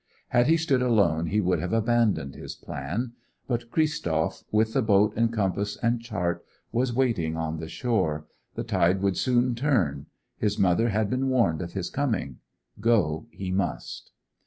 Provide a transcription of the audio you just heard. Had he stood alone he would have abandoned his plan. But Christoph, with the boat and compass and chart, was waiting on the shore; the tide would soon turn; his mother had been warned of his coming; go he must.